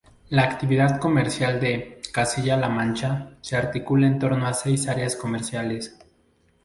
La actividad comercial de Castilla-La Mancha se articula en torno a seis áreas comerciales.